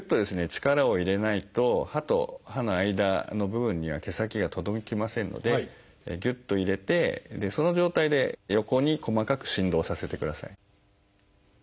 力を入れないと歯と歯の間の部分には毛先が届きませんのでぎゅっと入れてその状態で横に細かく振動させてください。